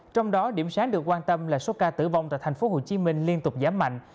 trong đó điểm sáng được quan tâm là số ca tử vong tại thành phố hồ chí minh liên tục giảm mạnh